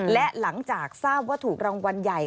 และหลังจากทราบว่าถูกรางวัลใหญ่